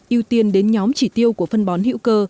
ưu tiên đến nhóm chỉ tiêu của phân bón hữu cơ